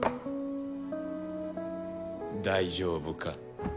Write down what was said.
大丈夫か？